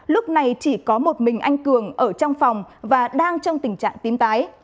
lúc này chỉ có một mình anh cường ở trong phòng và đang trong tình trạng tím tái